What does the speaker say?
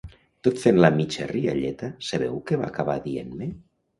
Tot fent la mitja rialleta, sabeu què va acabar dient-me?